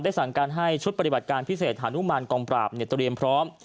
สั่งการให้ชุดปฏิบัติการพิเศษหานุมานกองปราบเตรียมพร้อม